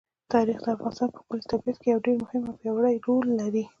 تاریخ د افغانستان په ښکلي طبیعت کې یو ډېر مهم او پیاوړی رول لري.